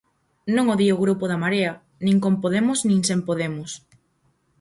Non o di o Grupo da Marea, nin con Podemos nin sen Podemos.